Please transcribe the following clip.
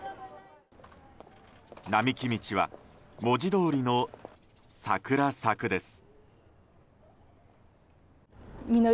並木道は文字どおりのサクラサクです。